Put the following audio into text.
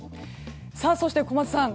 そして小松さん